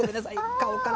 顔から。